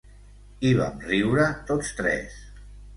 I vam riure tots tres.